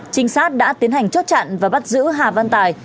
trinh sát đã tiến hành chốt chặn và bắt giữ hà văn tài